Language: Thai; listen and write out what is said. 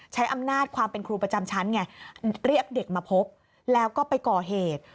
ใช้อำนาจความเป็นครูประจำชั้นไงเรียกเด็กมาพบแล้วก็ไปก่อเหตุ